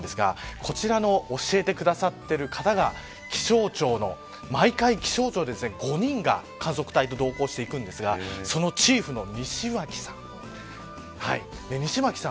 こちらの教えてくださっている方が気象庁の毎回、気象庁の５人が観測隊に同行しているんですがそのチームのチーフの西巻さん。